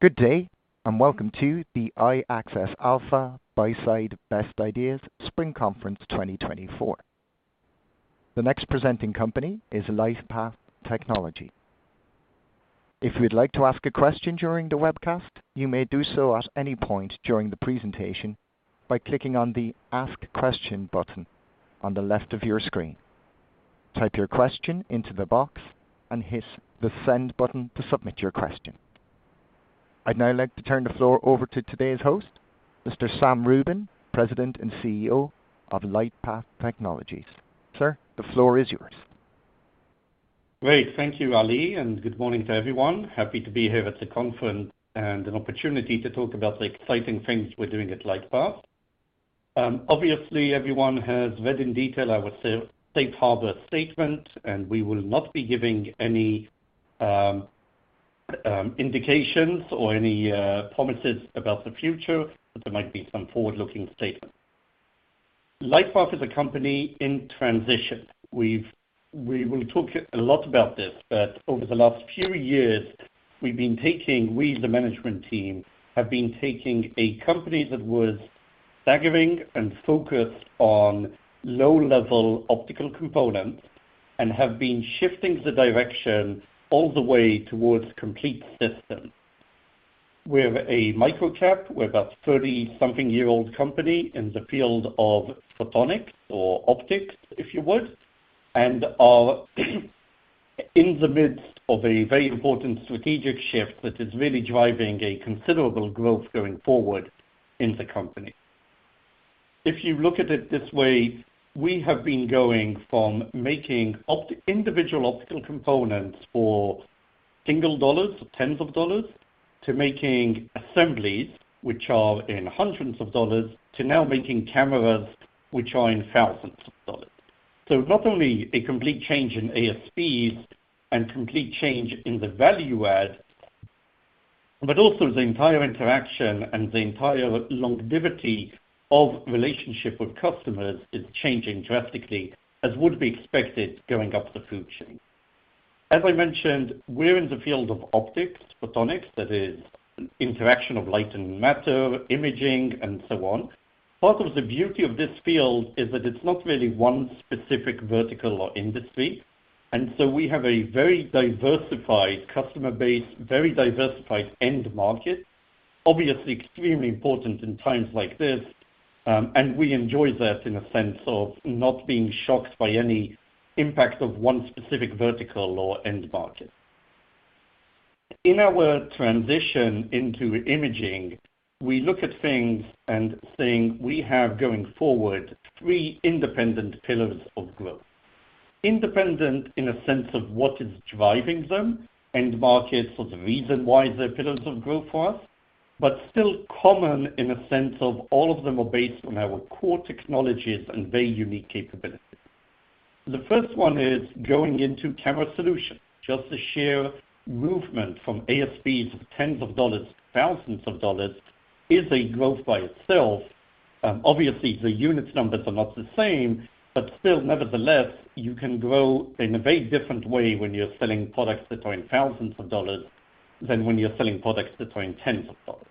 Good day and welcome to the iAccess Alpha BuySide Best Ideas Spring Conference 2024. The next presenting company is LightPath Technologies. If you would like to ask a question during the webcast, you may do so at any point during the presentation by clicking on the "Ask Question" button on the left of your screen. Type your question into the box and hit the "Send" button to submit your question. I'd now like to turn the floor over to today's host, Mr. Sam Rubin, President and CEO of LightPath Technologies. Sir, the floor is yours. Great. Thank you, Ali, and good morning to everyone. Happy to be here at the conference and an opportunity to talk about the exciting things we're doing at LightPath. Obviously everyone has read in detail, I would say, Safe Harbor Statement, and we will not be giving any indications or any promises about the future, but there might be some forward-looking statements. LightPath is a company in transition. We will talk a lot about this, but over the last few years, we, the management team, have been taking a company that was staggering and focused on low-level optical components and have been shifting the direction all the way towards complete systems. We're a micro cap. We're about 30-something-year-old company in the field of photonics, or optics if you would, and are in the midst of a very important strategic shift that is really driving a considerable growth going forward in the company. If you look at it this way, we have been going from making opt individual optical components for $1, $10s, to making assemblies, which are in $100s, to now making cameras, which are in $1,000s. So not only a complete change in ASPs and complete change in the value add, but also the entire interaction and the entire longevity of relationship with customers is changing drastically, as would be expected going up the food chain. As I mentioned, we're in the field of optics, photonics, that is, interaction of light and matter, imaging, and so on. Part of the beauty of this field is that it's not really one specific vertical or industry, and so we have a very diversified customer base, very diversified end market, obviously extremely important in times like this, and we enjoy that in a sense of not being shocked by any impact of one specific vertical or end market. In our transition into imaging, we look at things and think we have, going forward, three independent pillars of growth. Independent in a sense of what is driving them, end markets are the reason why they're pillars of growth for us, but still common in a sense of all of them are based on our core technologies and very unique capabilities. The first one is going into camera solutions. Just the sheer movement from ASPs of $10s to $1,000s is a growth by itself. Obviously the unit numbers are not the same, but still, nevertheless, you can grow in a very different way when you're selling products that are in thousands of dollars than when you're selling products that are in tens of dollars.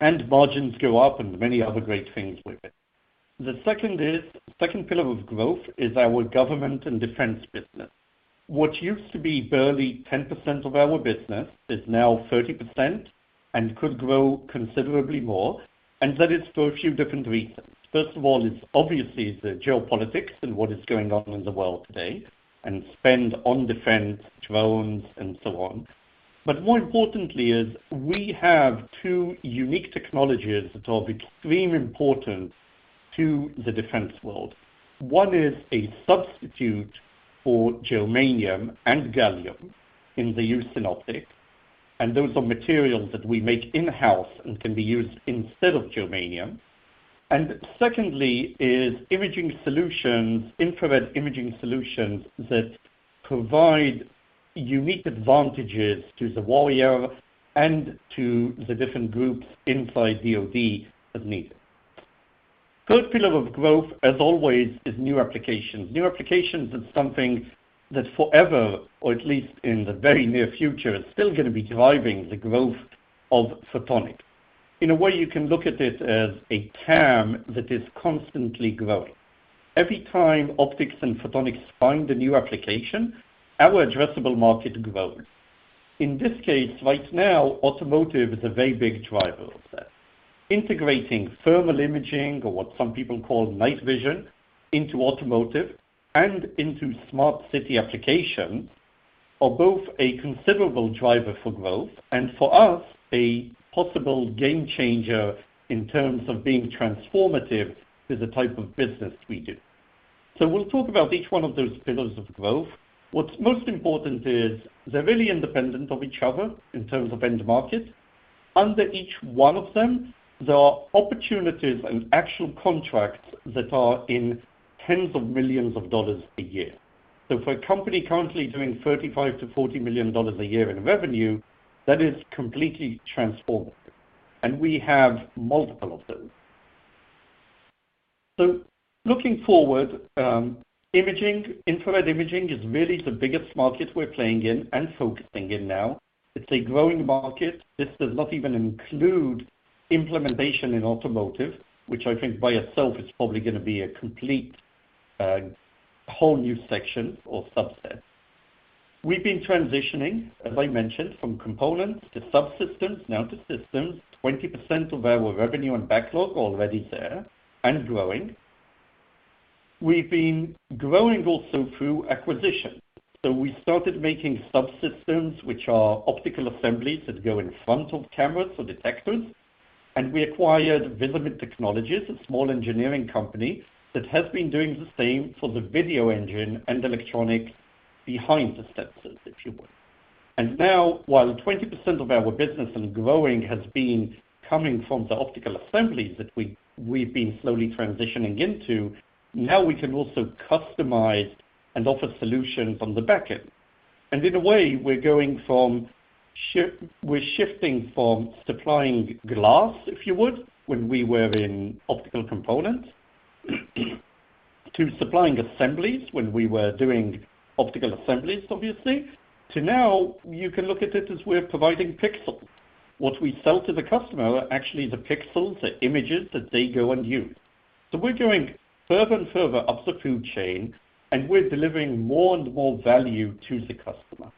And margins go up and many other great things with it. The second is second pillar of growth is our government and defense business. What used to be barely 10% of our business is now 30% and could grow considerably more, and that is for a few different reasons. First of all, it's obviously the geopolitics and what is going on in the world today, and spend on defense, drones, and so on. But more importantly is we have two unique technologies that are of extreme importance to the defense world. One is a substitute for germanium and gallium in the use in optics, and those are materials that we make in-house and can be used instead of germanium. Secondly is imaging solutions, infrared imaging solutions that provide unique advantages to the warrior and to the different groups inside DoD as needed. Third pillar of growth, as always, is new applications. New applications is something that forever, or at least in the very near future, is still gonna be driving the growth of photonics. In a way, you can look at it as a term that is constantly growing. Every time optics and photonics find a new application, our addressable market grows. In this case, right now, automotive is a very big driver of that. Integrating thermal imaging, or what some people call night vision, into automotive and into smart city applications are both a considerable driver for growth and, for us, a possible game changer in terms of being transformative to the type of business we do. So we'll talk about each one of those pillars of growth. What's most important is they're really independent of each other in terms of end market. Under each one of them, there are opportunities and actual contracts that are in tens of millions of dollars a year. So for a company currently doing $35 million-$40 million a year in revenue, that is completely transformative, and we have multiple of those. So looking forward, imaging, infrared imaging is really the biggest market we're playing in and focusing in now. It's a growing market. This does not even include implementation in automotive, which I think by itself is probably gonna be a complete, whole new section or subset. We've been transitioning, as I mentioned, from components to subsystems, now to systems. 20% of our revenue and backlog are already there and growing. We've been growing also through acquisition. So we started making subsystems, which are optical assemblies that go in front of cameras or detectors, and we acquired Visimid Technologies, a small engineering company that has been doing the same for the video engine and electronics behind the sensors, if you would. And now, while 20% of our business and growing has been coming from the optical assemblies that we've been slowly transitioning into, now we can also customize and offer solutions on the back end. In a way, we're shifting from supplying glass, if you would, when we were in optical components, to supplying assemblies when we were doing optical assemblies, obviously, to now you can look at it as we're providing pixels. What we sell to the customer are actually the pixels, the images that they go and use. So we're going further and further up the food chain, and we're delivering more and more value to the customer.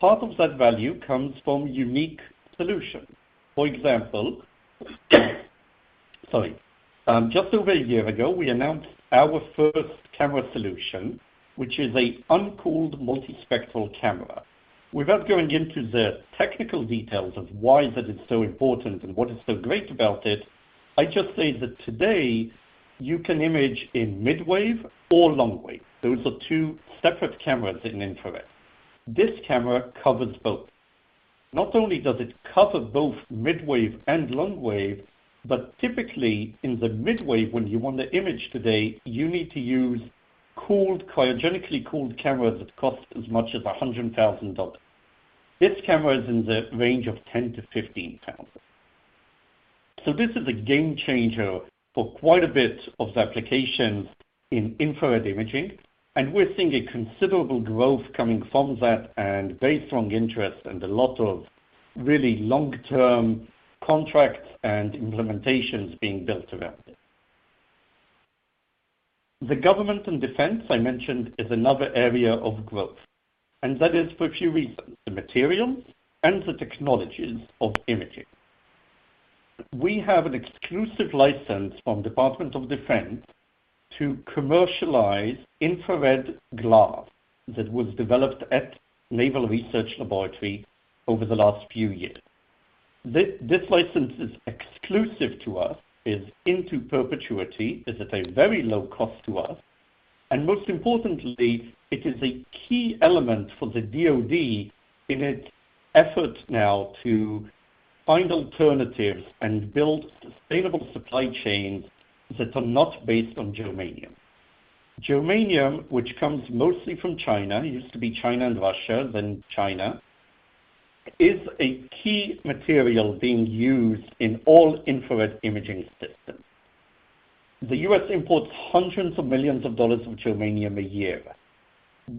Part of that value comes from unique solutions. For example, just over a year ago, we announced our first camera solution, which is a uncooled multispectral camera. Without going into the technical details of why that is so important and what is so great about it, I'd just say that today, you can image in midwave or longwave. Those are two separate cameras in infrared. This camera covers both. Not only does it cover both midwave and longwave, but typically in the midwave when you want to image today, you need to use cooled, cryogenically cooled cameras that cost as much as $100,000. This camera is in the range of $10,000-$15,000. So this is a game changer for quite a bit of the applications in infrared imaging, and we're seeing a considerable growth coming from that and very strong interest and a lot of really long-term contracts and implementations being built around it. The government and defense, I mentioned, is another area of growth, and that is for a few reasons: the materials and the technologies of imaging. We have an exclusive license from the Department of Defense to commercialize infrared glass that was developed at Naval Research Laboratory over the last few years. This license is exclusive to us, is in perpetuity, is at a very low cost to us, and most importantly, it is a key element for the DoD in its efforts now to find alternatives and build sustainable supply chains that are not based on germanium. Germanium, which comes mostly from China, used to be China and Russia, then China, is a key material being used in all infrared imaging systems. The U.S. imports hundreds of millions of dollars of germanium a year.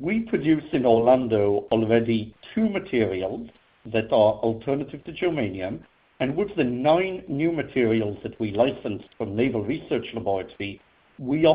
We produce in Orlando already two materials that are alternative to germanium, and with the nine new materials that we licensed from Naval Research Laboratory, we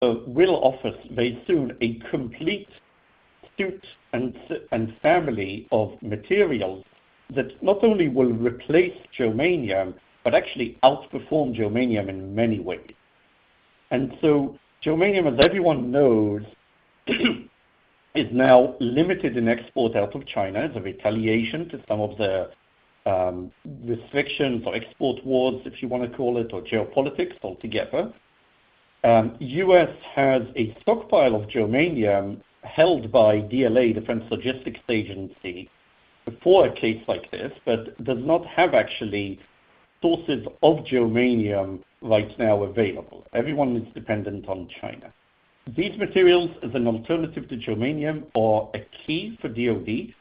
will offer very soon a complete suite and family of materials that not only will replace germanium but actually outperform germanium in many ways. So germanium, as everyone knows, is now limited in export out of China as a retaliation to some of the restrictions or export wars, if you wanna call it, or geopolitics altogether. The U.S. has a stockpile of germanium held by DLA, Defense Logistics Agency, for a case like this but does not have actually sources of germanium right now available. Everyone is dependent on China. These materials, as an alternative to germanium, are a key for DoD.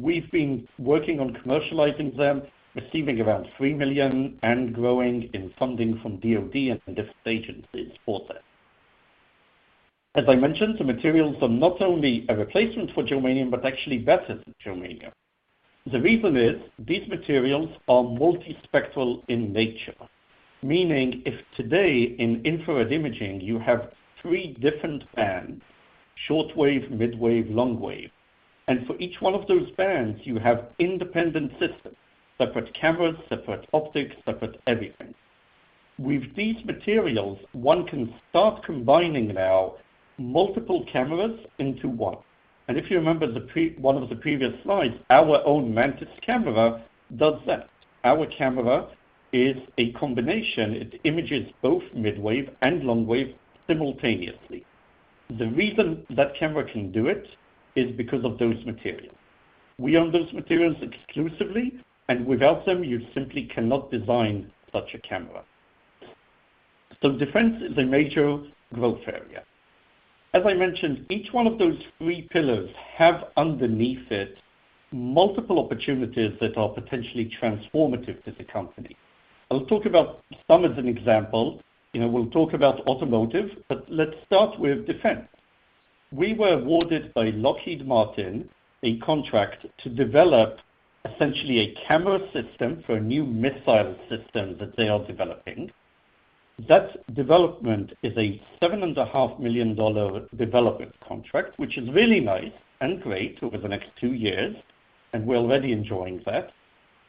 We've been working on commercializing them, receiving around $3 million, and growing in funding from DoD and different agencies for them. As I mentioned, the materials are not only a replacement for germanium but actually better than germanium. The reason is these materials are multispectral in nature, meaning if today in infrared imaging you have three different bands: shortwave, midwave, longwave, and for each one of those bands, you have independent systems, separate cameras, separate optics, separate everything. With these materials, one can start combining now multiple cameras into one. And if you remember from one of the previous slides, our own Mantis camera does that. Our camera is a combination. It images both midwave and longwave simultaneously. The reason that camera can do it is because of those materials. We own those materials exclusively, and without them, you simply cannot design such a camera. So defense is a major growth area. As I mentioned, each one of those three pillars have underneath it multiple opportunities that are potentially transformative to the company. I'll talk about some as an example. You know, we'll talk about automotive, but let's start with defense. We were awarded by Lockheed Martin a contract to develop essentially a camera system for a new missile system that they are developing. That development is a $7.5 million development contract, which is really nice and great over the next two years, and we're already enjoying that.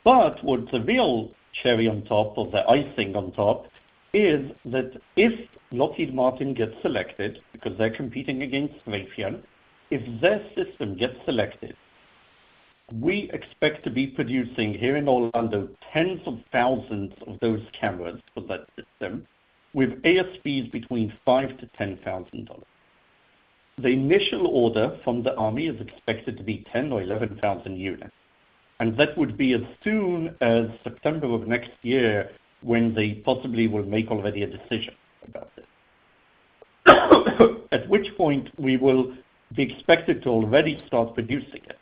But what's the real cherry on top or the icing on top is that if Lockheed Martin gets selected because they're competing against Raytheon, if their system gets selected, we expect to be producing here in Orlando tens of thousands of those cameras for that system with ASPs between $5,000-$10,000. The initial order from the army is expected to be 10,000 or 11,000 units, and that would be as soon as September of next year when they possibly will make already a decision about this, at which point we will be expected to already start producing it.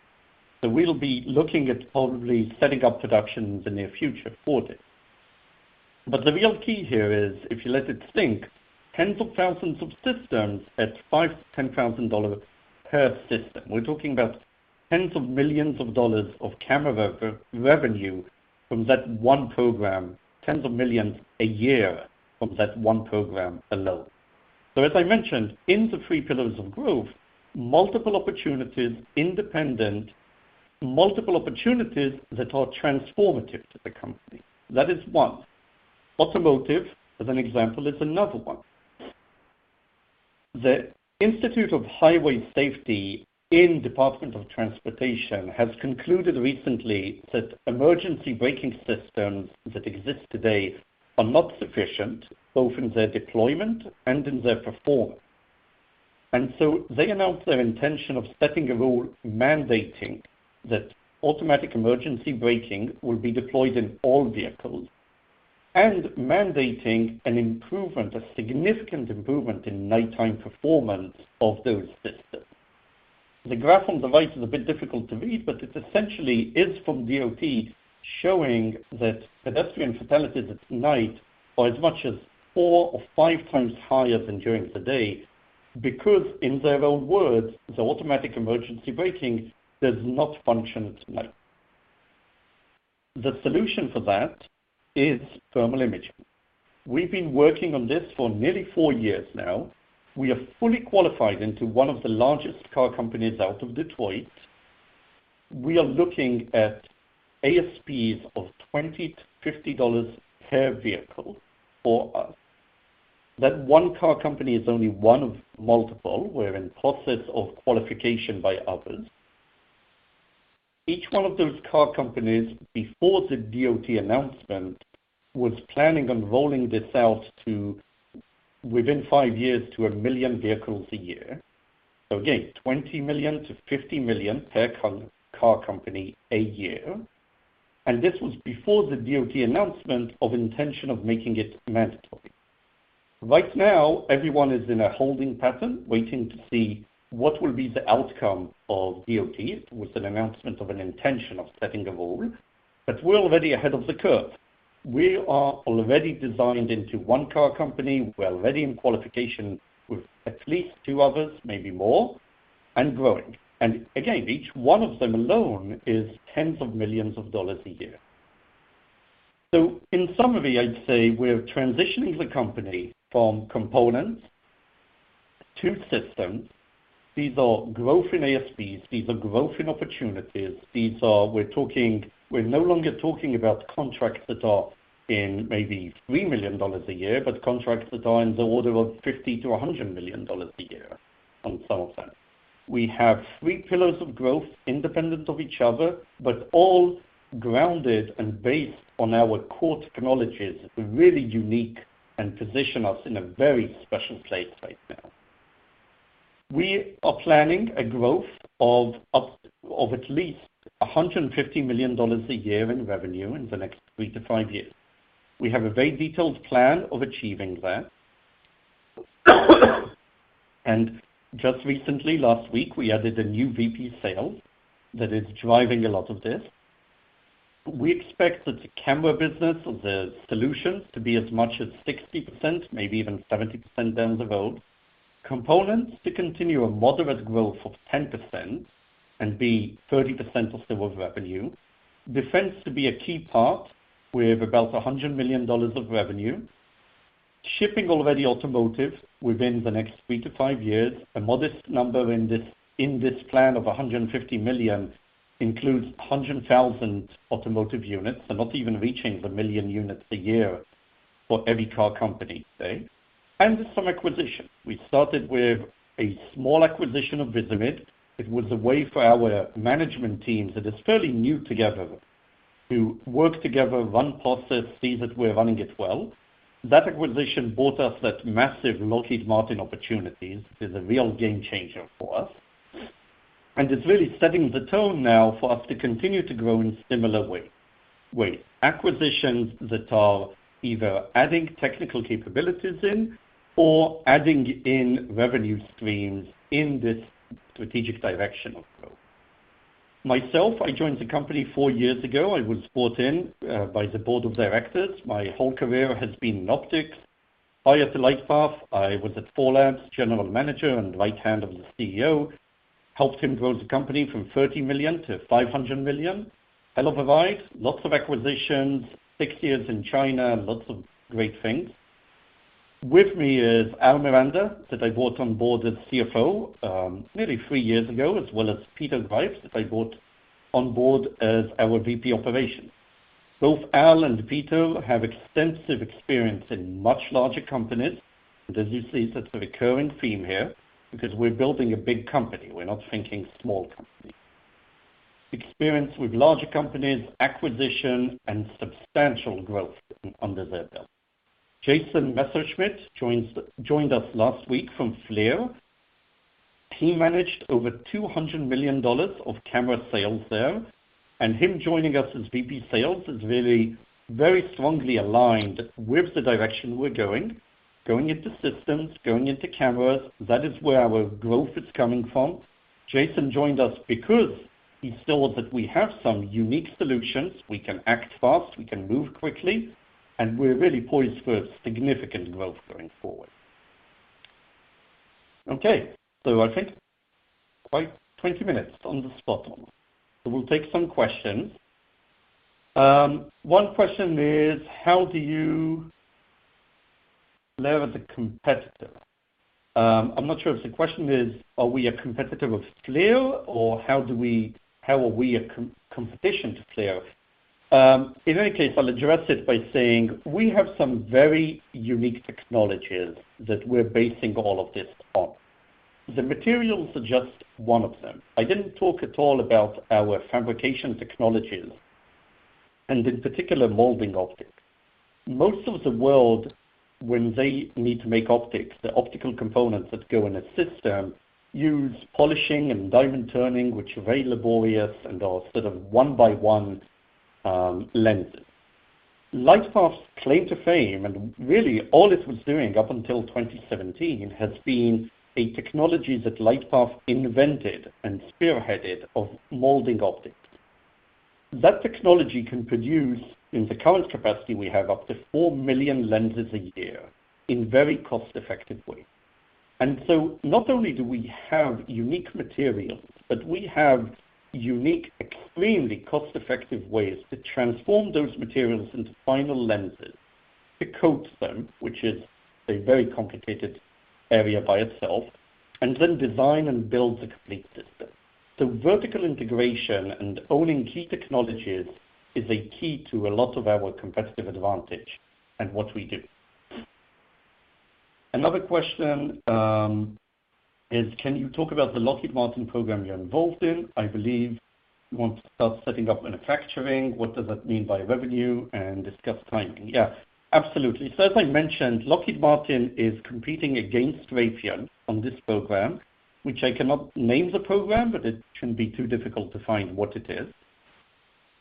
So we'll be looking at probably setting up productions in the near future for this. But the real key here is, if you let it sink, tens of thousands of systems at $5,000-$10,000 per system. We're talking about $10s of millions of dollars of camera revenue from that one program, $10s of millions a year from that one program alone. So as I mentioned, in the three pillars of growth, multiple opportunities independent, multiple opportunities that are transformative to the company. That is one. Automotive, as an example, is another one. The Institute of Highway Safety in the Department of Transportation has concluded recently that emergency braking systems that exist today are not sufficient, both in their deployment and in their performance. So they announced their intention of setting a rule mandating that automatic emergency braking will be deployed in all vehicles and mandating an improvement, a significant improvement, in nighttime performance of those systems. The graph on the right is a bit difficult to read, but it essentially is from DoD showing that pedestrian fatalities at night are as much as four or five times higher than during the day because, in their own words, the automatic emergency braking does not function at night. The solution for that is thermal imaging. We've been working on this for nearly four years now. We are fully qualified into one of the largest car companies out of Detroit. We are looking at ASPs of $20-$50 per vehicle for us. That one car company is only one of multiple. We're in the process of qualification by others. Each one of those car companies, before the DoD announcement, was planning on rolling this out within five years to 1 million vehicles a year. So again, $20 million-$50 million per car company a year. And this was before the DoD announcement of intention of making it mandatory. Right now, everyone is in a holding pattern waiting to see what will be the outcome of DoD with an announcement of an intention of setting a rule. But we're already ahead of the curve. We are already designed into one car company. We're already in qualification with at least two others, maybe more, and growing. Again, each one of them alone is tens of millions of dollars a year. In summary, I'd say we're transitioning the company from components to systems. These are growth in ASPs. These are growth in opportunities. These are; we're no longer talking about contracts that are in maybe $3 million a year but contracts that are in the order of $50 million-$100 million a year on some of them. We have three pillars of growth independent of each other but all grounded and based on our core technologies that are really unique and position us in a very special place right now. We are planning a growth of up to at least $150 million a year in revenue in the next three to five years. We have a very detailed plan of achieving that. Just recently, last week, we added a new VP sales that is driving a lot of this. We expect that the camera business, the solutions, to be as much as 60%, maybe even 70% down the road. Components to continue a moderate growth of 10% and be 30% or so of revenue. Defense to be a key part with about $100 million of revenue. Shipping already automotive within the next three to five years. A modest number in this plan of $150 million includes 100,000 automotive units, so not even reaching 1 million units a year for every car company today. Some acquisitions. We started with a small acquisition of Visimid. It was a way for our management teams that is fairly new together to work together, run process, see that we're running it well. That acquisition bought us that massive Lockheed Martin opportunities. It is a real game changer for us. It's really setting the tone now for us to continue to grow in similar ways, ways, acquisitions that are either adding technical capabilities in or adding in revenue streams in this strategic direction of growth. Myself, I joined the company four years ago. I was bought in, by the board of directors. My whole career has been in optics. Prior to LightPath, I was at Thorlabs, general manager and right hand of the CEO, helped him grow the company from $30 million to $500 million. Hell of a ride. Lots of acquisitions, six years in China, lots of great things. With me is Al Miranda that I brought on board as CFO, nearly three years ago, as well as Peter Greif that I brought on board as our VP operations. Both Al and Peter have extensive experience in much larger companies. As you see, that's a recurring theme here because we're building a big company. We're not thinking small company. Experience with larger companies, acquisition, and substantial growth under their belt. Jason Messerschmidt joined us last week from FLIR. He managed over $200 million of camera sales there. And him joining us as VP Sales is really very strongly aligned with the direction we're going into systems, going into cameras. That is where our growth is coming from. Jason joined us because he saw that we have some unique solutions. We can act fast. We can move quickly. And we're really poised for significant growth going forward. Okay. So I think about 20 minutes on the spot. So we'll take some questions. One question is, how do you leverage a competitor? I'm not sure if the question is, are we a competitor of FLIR, or how are we a competition to FLIR? In any case, I'll address it by saying we have some very unique technologies that we're basing all of this on. The materials are just one of them. I didn't talk at all about our fabrication technologies and, in particular, molding optics. Most of the world, when they need to make optics, the optical components that go in a system use polishing and diamond turning, which are very laborious and are sort of one-by-one lenses. LightPath's claim to fame, and really all it was doing up until 2017, has been a technology that LightPath invented and spearheaded of molding optics. That technology can produce, in the current capacity we have, up to 4 million lenses a year in very cost-effective ways. So not only do we have unique materials, but we have unique, extremely cost-effective ways to transform those materials into final lenses, to coat them, which is a very complicated area by itself, and then design and build the complete system. So vertical integration and owning key technologies is a key to a lot of our competitive advantage and what we do. Another question, is, can you talk about the Lockheed Martin program you're involved in? I believe you want to start setting up manufacturing. What does that mean by revenue? And discuss timing. Yeah. Absolutely. So as I mentioned, Lockheed Martin is competing against Raytheon on this program, which I cannot name, the program, but it can't be too difficult to find what it is.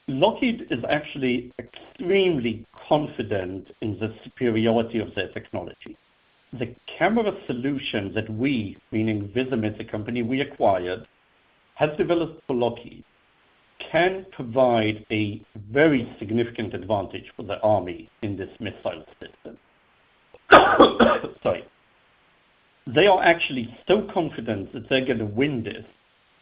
Lockheed is actually extremely confident in the superiority of their technology. The camera solution that we, meaning Visimid as a company, we acquired, has developed for Lockheed, can provide a very significant advantage for the Army in this missile system. Sorry. They are actually so confident that they're gonna win this,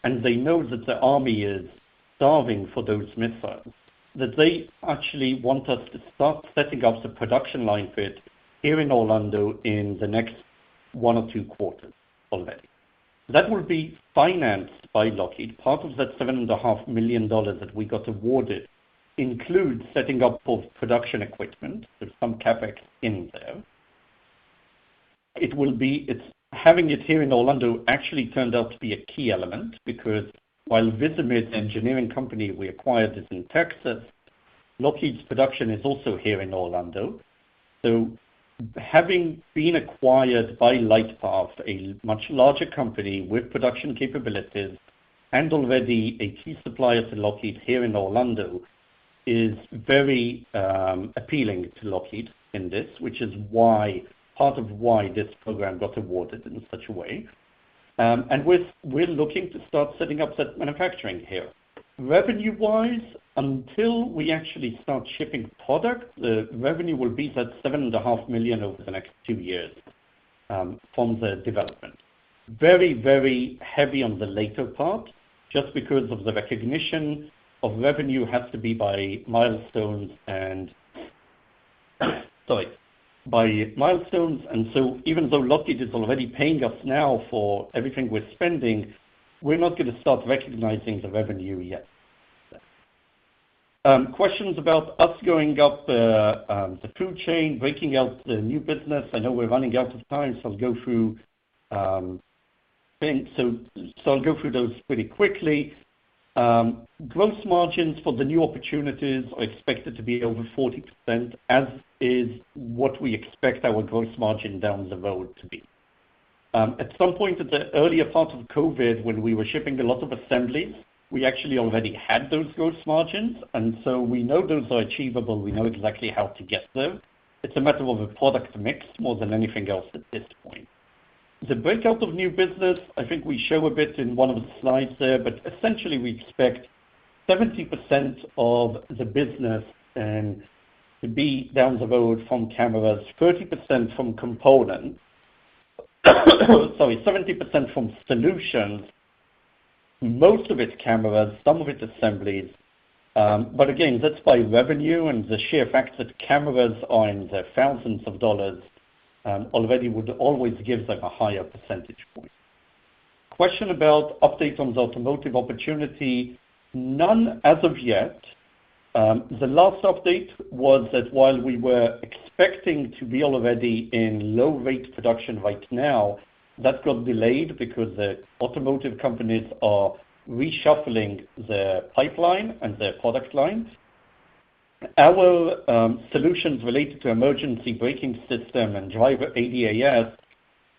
and they know that the Army is starving for those missiles, that they actually want us to start setting up the production line for it here in Orlando in the next one or two quarters already. That will be financed by Lockheed. Part of that $7.5 million that we got awarded includes setting up both production equipment. There's some CapEx in there. It will be. It's having it here in Orlando actually turned out to be a key element because while Visimid's engineering company we acquired is in Texas, Lockheed's production is also here in Orlando. So having been acquired by LightPath, a much larger company with production capabilities and already a key supplier to Lockheed here in Orlando, is very appealing to Lockheed in this, which is why part of why this program got awarded in such a way. And we're looking to start setting up that manufacturing here. Revenue-wise, until we actually start shipping product, the revenue will be that $7.5 million over the next two years, from the development. Very, very heavy on the later part just because of the recognition of revenue has to be by milestones and sorry, by milestones. And so even though Lockheed is already paying us now for everything we're spending, we're not gonna start recognizing the revenue yet. Questions about us going up the food chain, breaking out the new business? I know we're running out of time, so I'll go through things. So I'll go through those pretty quickly. Gross margins for the new opportunities are expected to be over 40%, as is what we expect our gross margin down the road to be. At some point in the earlier part of COVID, when we were shipping a lot of assemblies, we actually already had those gross margins. And so we know those are achievable. We know exactly how to get there. It's a matter of a product mix more than anything else at this point. The breakout of new business, I think we show a bit in one of the slides there. But essentially, we expect 70% of the business to be down the road from cameras, 30% from components—sorry, 70% from solutions, most of it cameras, some of it assemblies. But again, that's by revenue. The sheer fact that cameras are in the thousands of dollars already would always give them a higher percentage point. Question about update on the automotive opportunity. None as of yet. The last update was that while we were expecting to be already in low-rate production right now, that got delayed because the automotive companies are reshuffling their pipeline and their product line. Our solutions related to emergency braking system and driver ADAS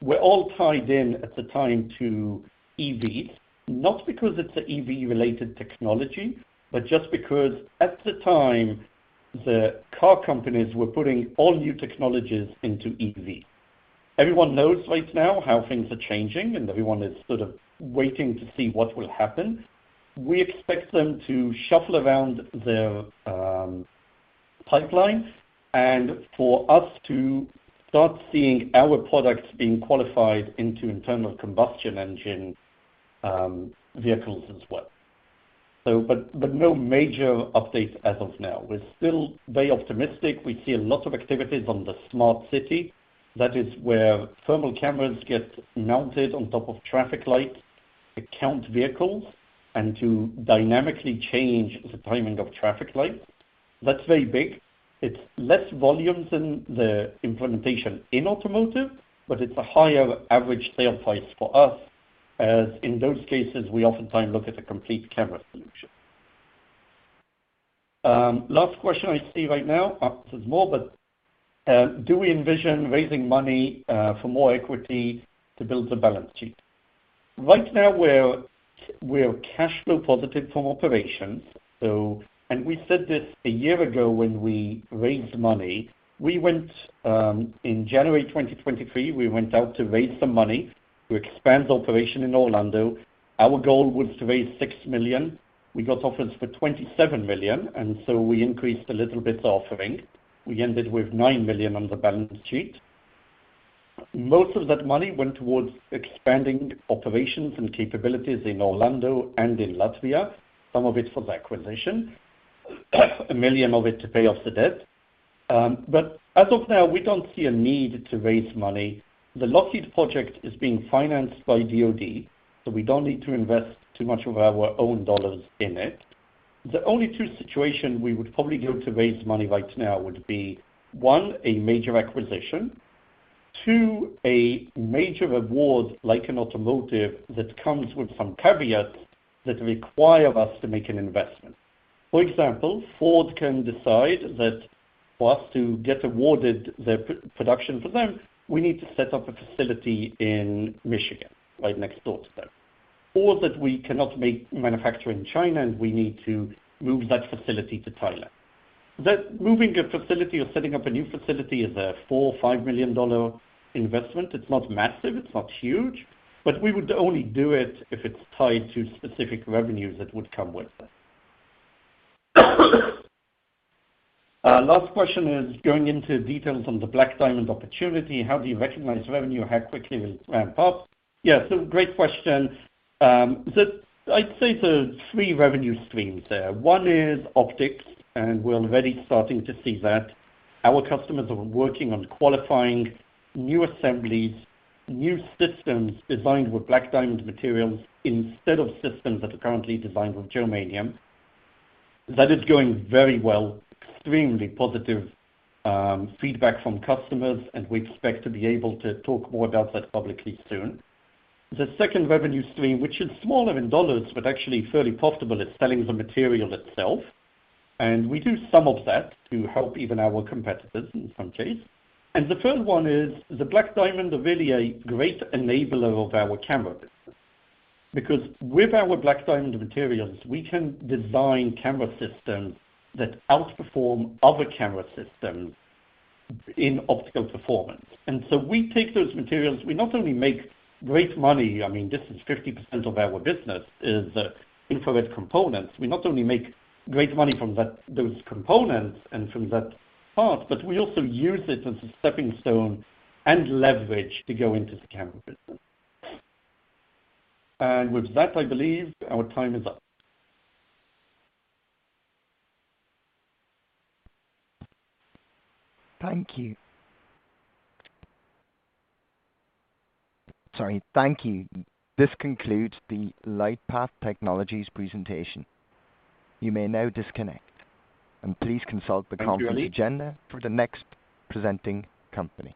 were all tied in at the time to EVs, not because it's a EV-related technology, but just because at the time, the car companies were putting all new technologies into EVs. Everyone knows right now how things are changing, and everyone is sort of waiting to see what will happen. We expect them to shuffle around their pipeline and for us to start seeing our products being qualified into internal combustion engine vehicles as well. But no major update as of now. We're still very optimistic. We see a lot of activities on the smart city. That is where thermal cameras get mounted on top of traffic lights to count vehicles and to dynamically change the timing of traffic lights. That's very big. It's less volumes in the implementation in automotive, but it's a higher average sale price for us as, in those cases, we oftentimes look at a complete camera solution. Last question I see right now. This is more, but do we envision raising money for more equity to build the balance sheet? Right now, we're cash flow positive from operations. So and we said this a year ago when we raised money. We went out in January 2023 to raise some money to expand the operation in Orlando. Our goal was to raise $6 million. We got offers for $27 million. So we increased a little bit the offering. We ended with $9 million on the balance sheet. Most of that money went towards expanding operations and capabilities in Orlando and in Latvia, some of it for the acquisition, $1 million of it to pay off the debt. But as of now, we don't see a need to raise money. The Lockheed project is being financed by DoD, so we don't need to invest too much of our own dollars in it. The only two situations we would probably go to raise money right now would be, one, a major acquisition, two, a major award like an automotive that comes with some caveats that require us to make an investment. For example, Ford can decide that for us to get awarded their pre-production for them, we need to set up a facility in Michigan right next door to them, or that we cannot make manufacturing in China, and we need to move that facility to Thailand. That moving a facility or setting up a new facility is a $4 million-$5 million investment. It's not massive. It's not huge. But we would only do it if it's tied to specific revenues that would come with that. Last question is going into details on the Black Diamond opportunity. How do you recognize revenue, how quickly it will ramp up? Yeah. So great question. That I'd say there are three revenue streams there. One is optics, and we're already starting to see that. Our customers are working on qualifying new assemblies, new systems designed with Black Diamond materials instead of systems that are currently designed with germanium. That is going very well, extremely positive feedback from customers. And we expect to be able to talk more about that publicly soon. The second revenue stream, which is smaller in dollars but actually fairly profitable, is selling the material itself. And we do some of that to help even our competitors in some cases. And the third one is the Black Diamond are really a great enabler of our camera business because with our Black Diamond materials, we can design camera systems that outperform other camera systems in optical performance. And so we take those materials. We not only make great money I mean, this is 50% of our business, is, infrared components. We not only make great money from that those components and from that part, but we also use it as a stepping stone and leverage to go into the camera business. And with that, I believe our time is up. Thank you. Sorry. Thank you. This concludes the LightPath Technologies presentation. You may now disconnect. And please consult the conference agenda for the next presenting company.